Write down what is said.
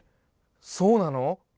そうなの？